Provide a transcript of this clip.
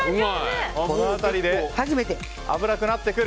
この辺りで危なくなってくる。